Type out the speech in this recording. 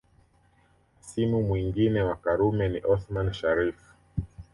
Hasimu mwingine wa Karume ni Othman Sharrif